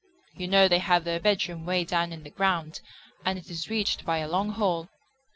You know they have their bedroom way down in the ground, and it is reached by a long hall.